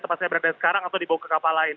tempat saya berada sekarang atau dibawa ke kapal lain